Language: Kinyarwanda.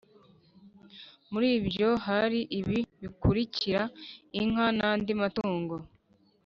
Muri byo hari ibi bikurikira inka nandi matungo